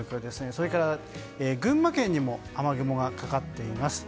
それから群馬県にも雨雲がかかっています。